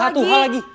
satu hal lagi